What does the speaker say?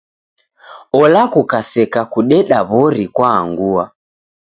Ola kukaseka kudeda w'ori kwaangua.